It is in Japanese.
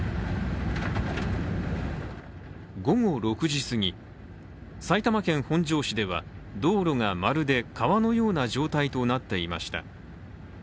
午後６時すぎ、埼玉県本庄市では道路がまるで川のような状態となっていました。